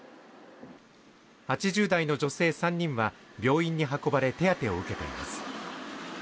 ８０代の女性３人は病院に運ばれ手当てを受けています